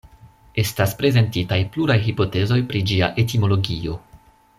Estas prezentitaj pluraj hipotezoj pri ĝia etimologio.